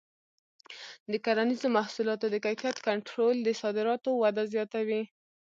د کرنیزو محصولاتو د کیفیت کنټرول د صادراتو وده زیاتوي.